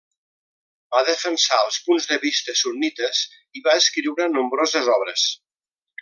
Va defensar els punts de vista sunnites i va escriure nombroses obres.